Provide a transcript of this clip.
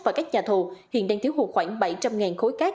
và các nhà thầu hiện đang thiếu hụt khoảng bảy trăm linh khối cát